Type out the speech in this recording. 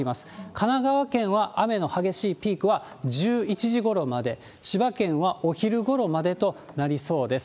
神奈川県は雨の激しいピークは１１時ごろまで、千葉県はお昼ごろまでとなりそうです。